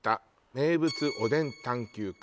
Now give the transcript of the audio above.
「名物おでん探究家」